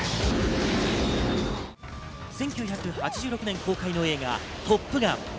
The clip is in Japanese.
１９８６年公開の映画『トップガン』。